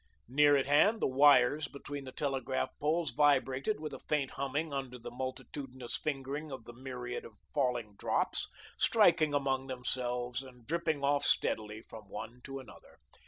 Near at hand the wires between the telegraph poles vibrated with a faint humming under the multitudinous fingering of the myriad of falling drops, striking among them and dripping off steadily from one to another.